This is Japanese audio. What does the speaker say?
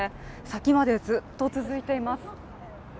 先までずっと続いています。